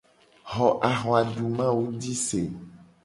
Xo ahuadumawu ji se.